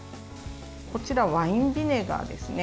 こちら、ワインビネガーですね。